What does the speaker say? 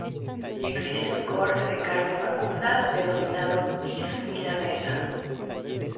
Existe un corte de carne vacuna denominado "beef milanesa".